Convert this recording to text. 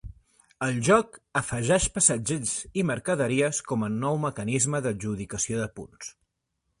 El joc afegeix passatgers i mercaderies com a nou mecanisme d'adjudicació de punts.